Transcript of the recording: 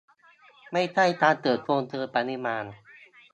ไม่ใช่การเติบโตเชิงปริมาณ